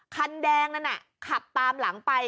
คันแดงนั้นขับตามหลังไป